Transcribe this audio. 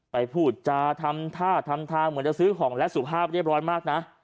พูดจาทำท่าทำทางเหมือนจะซื้อของและสุภาพเรียบร้อยมากนะ